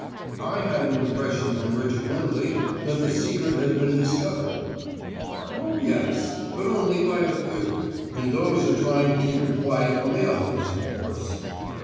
"I had an impression from Richard Lindley that the secret had been discovered." "Oh, yes; but only by a few, and those are trying to keep it quiet from the others, of course."